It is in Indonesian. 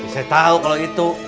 saya tahu kalau itu